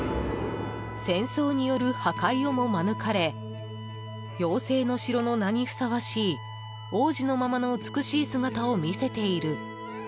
「戦争による破壊をも免れ妖精の城の名にふさわしい往時のままの美しい姿を見せている」。